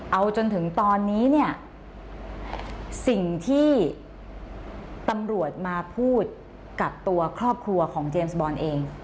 เอาจนถึงตอนนี้เนี่ยสิ่งที่ตำรวจมาพูดกับตัวครอบครัวของเจมส์บอลเอง